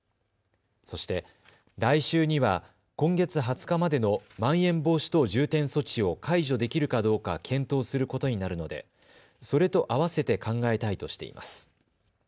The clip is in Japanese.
そして来週には今月２０日までのまん延防止等重点措置を解除できるかどうか検討することになるのでそれと合わせて考えたいとしています。